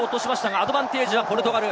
アドバンテージはポルトガル。